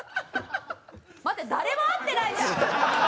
待って誰も合ってないじゃん！